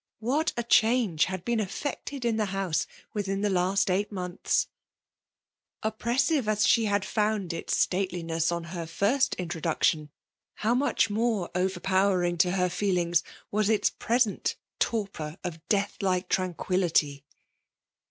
What a change had been effected in the house within the last eight months ! Oppressive as she had found its statetiness on her first introduction, how modi more overpowering to her feelings was its present torpcNr of death like tranquillity